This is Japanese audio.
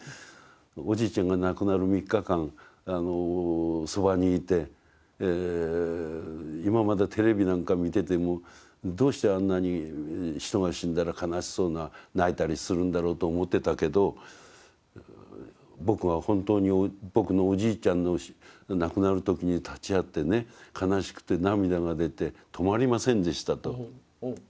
「おじいちゃんが亡くなる３日間そばにいて今までテレビなんか見ててもどうしてあんなに人が死んだら悲しそうな泣いたりするんだろうと思ってたけど僕は本当に僕のおじいちゃんの亡くなる時に立ち会ってね悲しくて涙が出て止まりませんでした」と。